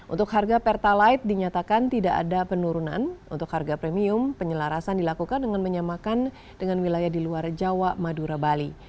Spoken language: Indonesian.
untuk harga pertalite dinyatakan tidak ada penurunan untuk harga premium penyelarasan dilakukan dengan menyamakan dengan wilayah di luar jawa madura bali